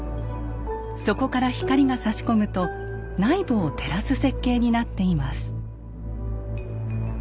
そこから光がさし込むと内部を照らす設計になっています。